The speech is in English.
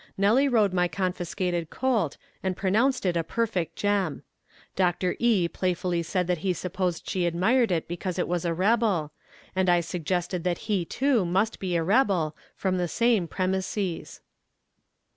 Nellie rode my confiscated colt, and pronounced it a perfect gem. Dr. E. playfully said that he supposed she admired it because it was a rebel, and I suggested that he too must be a rebel, from the same premises.